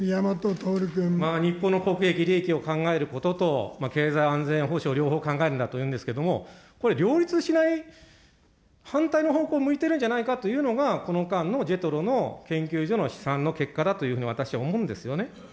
日本の国益、利益を考えることと、経済安全保障両方考えるんだっていうんですけれども、これ、両立しない、反対の方向を向いてるんじゃないかというのが、この間のＪＥＴＲＯの研究所の試算の結果だというふうに私は思うんですよね。